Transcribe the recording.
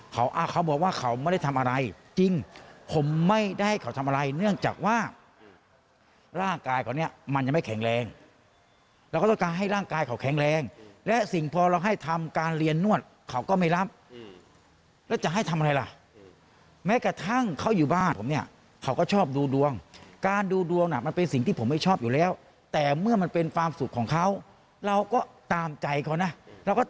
เขาอ่าเขาบอกว่าเขาไม่ได้ทำอะไรจริงผมไม่ได้ให้เขาทำอะไรเนื่องจากว่าร่างกายเขาเนี่ยมันยังไม่แข็งแรงเราก็ต้องการให้ร่างกายเขาแข็งแรงและสิ่งพอเราให้ทำการเรียนนวดเขาก็ไม่รับแล้วจะให้ทำอะไรล่ะแม้กระทั่งเขาอยู่บ้านผมเนี่ยเขาก็ชอบดูดวงการดูดวงน่ะมันเป็นสิ่งที่ผมไม่ชอบอยู่แล้วแต่เมื่อมันเป็นความสุขของเขาเราก็ตามใจเขานะเราก็